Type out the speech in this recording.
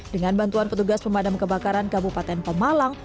dengan bantuan petugas pemadam kebakaran kabupaten pemalang